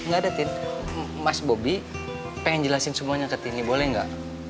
gak ada tin mas bobby pengen jelasin semuanya ke tin boleh gak